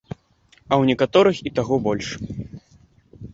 А ў некаторых і таго больш.